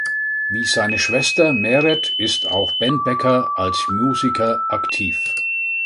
Wie seine Schwester Meret ist auch Ben Becker als Musiker aktiv.